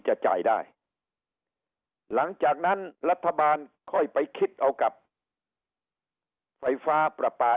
จะจ่ายได้หลังจากนั้นรัฐบาลค่อยไปคิดเอากับไฟฟ้าประปา